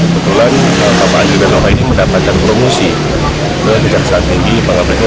kebetulan bapak andri viranova ini mendapatkan promosi ke kejaksaan tinggi bangka belitung